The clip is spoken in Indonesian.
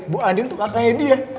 bu andin tuh kakaknya dia